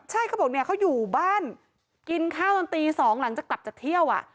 ใช่เขาบอกเนี่ยเขาอยู่บ้านกินข้าวจนตี๒หลังจากกลับจากเที่ยว